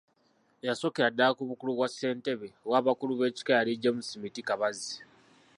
Eyasookera ddala ku bukulu bwa Ssentebe w’abakulu b’ebkika yali James Miti Kabazzi.